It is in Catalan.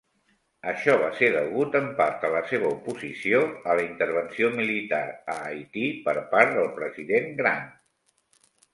Això va ser degut en part a la seva oposició a la intervenció militar a Haití per part del president Grant.